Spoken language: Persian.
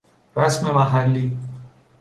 رسم محلی